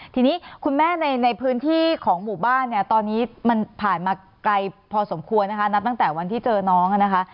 ทีนี้คุณแม่ในพื้นที่ของหมู่บ้านเนี่ยตอนนี้มันผ่านมาไกลพอสมควรนะคะนับตั้งแต่วันที่เจอน้องนะคะ